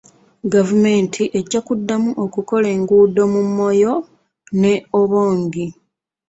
Gavumenti ejja kuddamu okukola enguudo mu Moyo ne Obongi.